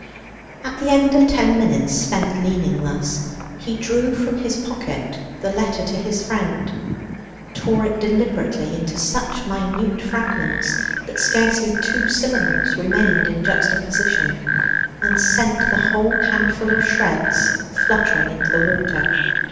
At the end of ten minutes spent leaning thus, he drew from his pocket the letter to his friend, tore it deliberately into such minute fragments that scarcely two syllables remained in juxtaposition, and sent the whole handful of shreds fluttering into the water.